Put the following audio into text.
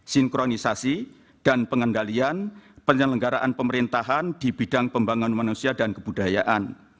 sinkronisasi dan pengendalian penyelenggaraan pemerintahan di bidang pembangunan manusia dan kebudayaan